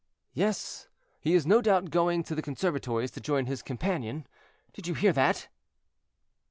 "Yes, he is no doubt going to the conservatories to join his companion? Did you hear that?"